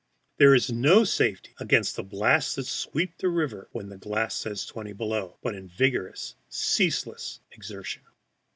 There is no safety against the blasts that sweep this river, when the glass says twenty below, but in vigorous, ceaseless exertion.